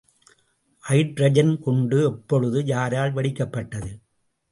Hydrogen குண்டு எப்பொழுது யாரால் வெடிக்கப்பட்டது?